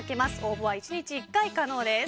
応募は１日１回可能です。